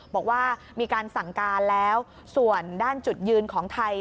บอกว่ามีการสั่งการแล้วส่วนด้านจุดยืนของไทย